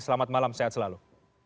selamat malam sehat selalu